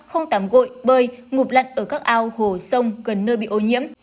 không tắm gội bơi ngập lặn ở các ao hồ sông gần nơi bị ô nhiễm